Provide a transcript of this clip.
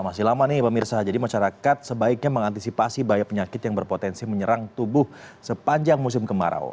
masih lama nih pemirsa jadi masyarakat sebaiknya mengantisipasi bahaya penyakit yang berpotensi menyerang tubuh sepanjang musim kemarau